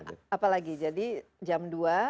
apalagi jadi jam dua